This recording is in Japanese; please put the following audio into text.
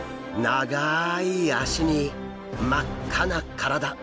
長い脚に真っ赤な体。